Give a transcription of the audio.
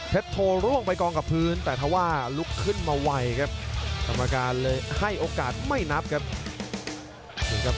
โทร่วงไปกองกับพื้นแต่ถ้าว่าลุกขึ้นมาไวครับกรรมการเลยให้โอกาสไม่นับครับ